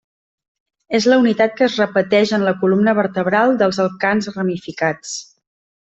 És la unitat que es repeteix en la columna vertebral dels alcans ramificats.